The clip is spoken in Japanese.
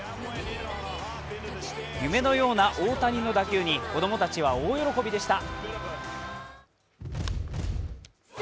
夢のような大谷の打球に子供たちは大喜びでした。